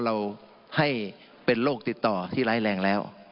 เราให้เป็นโรคติดต่อที่ร้ายแรงแล้ว